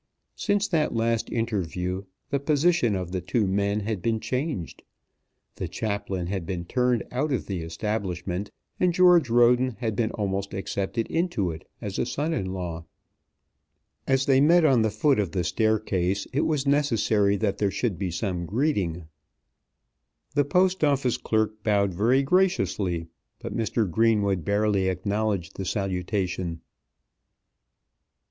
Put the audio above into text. Since that last interview the position of the two men had been changed. The chaplain had been turned out of the establishment, and George Roden had been almost accepted into it as a son in law. As they met on the foot of the staircase, it was necessary that there should be some greeting. The Post Office clerk bowed very graciously, but Mr. Greenwood barely acknowledged the salutation.